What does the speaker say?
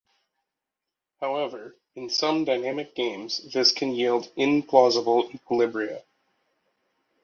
However, in some dynamic games this can yield implausible equilibria.